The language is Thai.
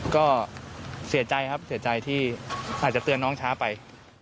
ก็เสียใจครับเสียใจที่อาจจะเตือนน้องช้าไป